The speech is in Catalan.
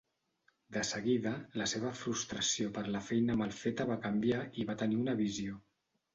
De seguida, la seva frustració per la feina mal feta va canviar i va tenir una visió.